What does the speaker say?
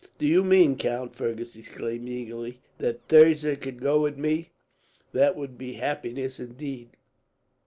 "Do you mean, count," Fergus exclaimed eagerly, "that Thirza could go with me? That would be happiness, indeed."